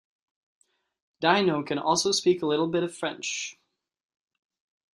Dino can also speak a little bit of French.